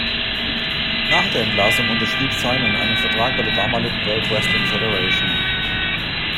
Nach der Entlassung unterschrieb Simon einen Vertrag bei der damaligen World Wrestling Federation.